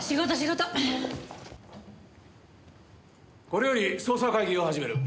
これより捜査会議を始める。